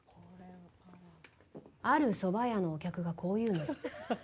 ある蕎麦屋のお客がこう言うのよ。